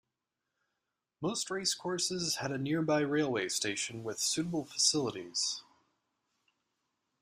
Most racecourses had a nearby railway station with suitable facilities.